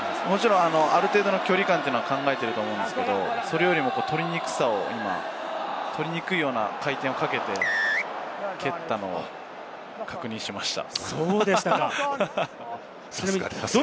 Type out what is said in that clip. ある程度、距離感は考えてると思うんですけれども、それよりも取りにくいような回転をかけて蹴ったのを確認しました。